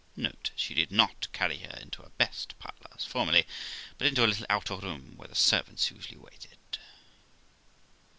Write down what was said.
Note. She did not carry her into her best parlour, as formerly, but into a little outer room, where the servants usually waited.